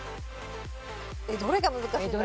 どれが難しいんだろう？